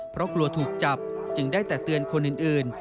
เพราะกลัวถูกจับจึงได้แต่เตือนคนอื่น